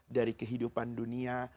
dari kehidupan dunia